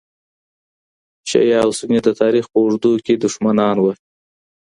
شیعه او سني د تاریخ په اوږدو کې دښمنان و.